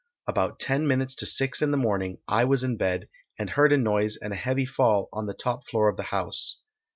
About ten minutes to 6 in the morning I was in bed, and heard a noise and a heavy fall on the top floor of the house.